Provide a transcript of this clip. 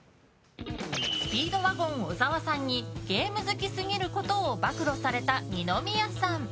スピードワゴン小沢さんにゲーム好きすぎることを暴露された二宮さん。